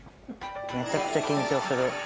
めちゃくちゃ緊張する。